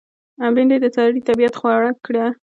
بېنډۍ د سړي طبیعت خوړه ده